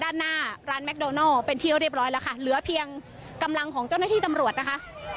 ด้านหน้าร้านแมคโดนัลเป็นที่เรียบร้อยแล้วค่ะเหลือเพียงกำลังของเจ้าหน้าที่ตำรวจนะคะ